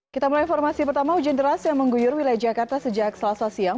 kita mulai informasi pertama hujan deras yang mengguyur wilayah jakarta sejak selasa siang